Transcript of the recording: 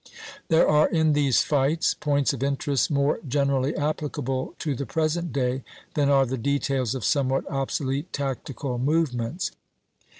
There are in these fights points of interest more generally applicable to the present day than are the details of somewhat obsolete tactical movements.